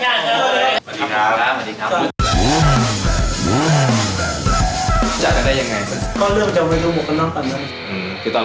สวัสดีครับสวัสดีครับ